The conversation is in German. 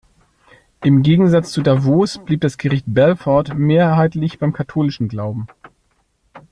Im Gegensatz zu Davos blieb das Gericht Belfort mehrheitlich beim katholischen Glauben.